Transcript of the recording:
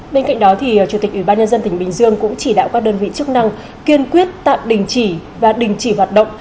bên cạnh đó chủ tịch ubnd tỉnh bình dương cũng chỉ đạo các đơn vị chức năng kiên quyết tạm đình chỉ và đình chỉ hoạt động